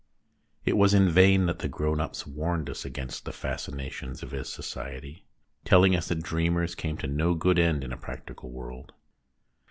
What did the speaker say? It was in vain that the grown ups warned us against the fascinations of his society, telling us that dreamers came to no good end in a practical world.